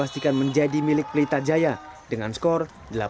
pastikan menjadi milik pelita jaya dengan skor delapan puluh dua tujuh puluh tujuh